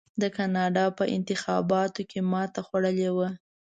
د کاناډا په انتخاباتو کې ماته خوړلې وه.